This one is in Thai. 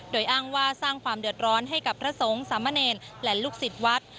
โดยอ้างว่าสร้างความเดือดร้อนให้กับพระสงฆ์สามเณรและลูกศิษย์วัด